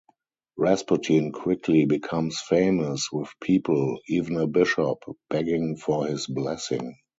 Rasputin quickly becomes famous, with people, even a bishop, begging for his blessing.